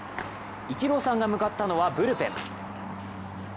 イチローさんが向かったのはブルペン。